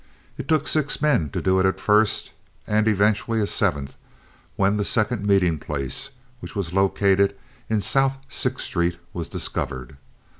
It took six men to do it at first, and eventually a seventh, when the second meeting place, which was located in South Sixth Street, was discovered.